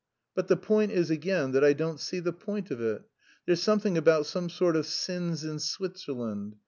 But the point is again that I don't see the point of it. There's something about some sort of 'sins in Switzerland.'